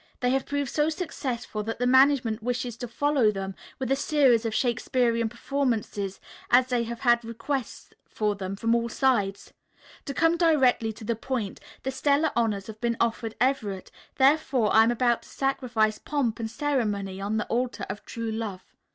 They have proved so successful that the management wishes to follow them with a series of Shakesperian performances, as they have had requests for them from all sides. To come directly to the point, the stellar honors have been offered Everett, therefore I am about to sacrifice pomp and ceremony on the altar of true love.